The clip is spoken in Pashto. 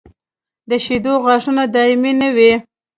د شېدو غاښونه دایمي نه وي.